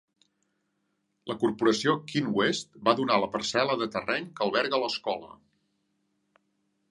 La Corporació Kinwest va donar la parcel·la de terreny que alberga l'escola.